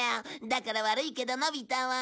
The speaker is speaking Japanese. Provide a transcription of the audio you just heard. だから悪いけどのび太は。